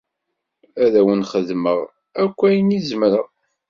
Ad awen-xedmeɣ akk ayen i zemreɣ.